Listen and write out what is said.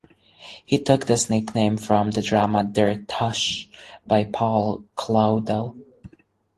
He took this nickname from the drama "Der Tausch" by Paul Claudel.